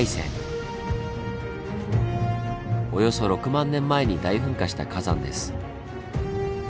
およそ６万年前に大噴火した火山です。